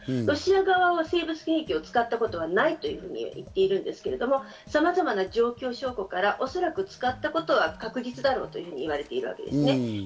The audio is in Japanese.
ロシア側が生物兵器を使ったことはないと言っているんですけれども、さまざまな状況証拠から、おそらく使ったことは確実だろうと言われているわけです。